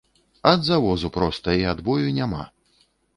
Ад завозу проста і адбою няма.